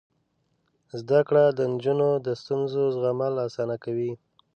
زده کړه د نجونو د ستونزو زغمل اسانه کوي.